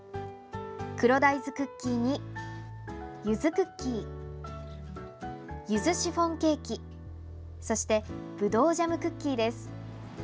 黒大豆クッキーに、ゆずクッキーゆずシフォンケーキそしてぶどうジャムクッキーです。